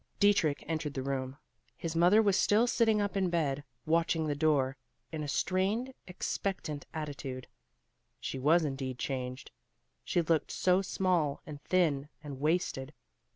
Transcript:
Dietrich entered the room. His mother was still sitting up in bed, watching the door, in a strained, expectant attitude. She was indeed changed. She looked so small and thin and wasted.